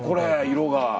色が。